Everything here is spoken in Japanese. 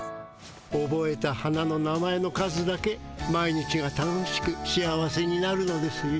おぼえた花の名前の数だけ毎日が楽しく幸せになるのですよ。